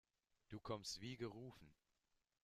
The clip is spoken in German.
Du kommst wie gerufen.